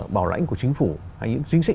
bảo lãnh của chính phủ hay những chính sách